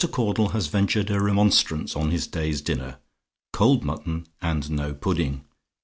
CAUDLE HAS VENTURED A REMONSTRANCE ON HIS DAY'S DINNER: COLD MUTTON, AND NO PUDDING.